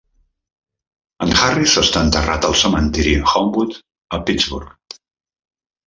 En Harris està enterrat al cementiri Homewood, a Pittsburgh.